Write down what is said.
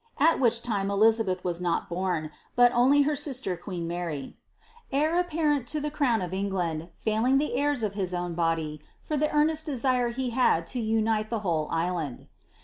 (at which lime Elizabeth was not born, but only her sister, queen Mary), heir apparent to the crown of England, failing the heirs of his own body, fjr the earnest desire he had lo unite the whole island.'